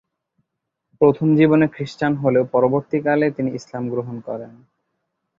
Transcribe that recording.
প্রথম জীবনে খ্রিষ্টান হলেও পরবর্তীকালে তিনি ইসলাম গ্রহণ করেন।